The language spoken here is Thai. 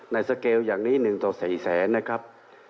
สเกลอย่างนี้๑ต่อ๔แสนนะครับ